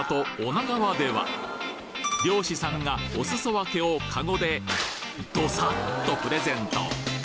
女川では漁師さんがおすそ分けをカゴでドサッとプレゼント